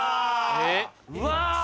うわ！